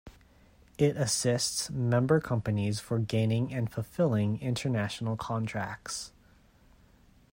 It assists member companies for gaining and fulfilling international contracts.